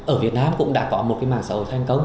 ở việt nam cũng đã có một cái mạng xã hội thành công